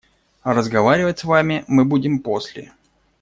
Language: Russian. А разговаривать с вами будем мы после.